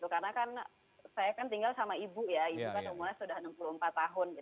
karena saya kan tinggal sama ibu ya ibu kan umurnya sudah enam puluh empat tahun